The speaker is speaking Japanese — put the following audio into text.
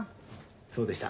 そうでした。